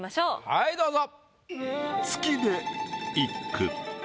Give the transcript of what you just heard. はいどうぞ。